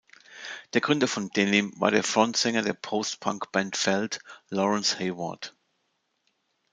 Der Gründer von Denim war der Frontsänger der Post-Punk-Band Felt, Lawrence Hayward.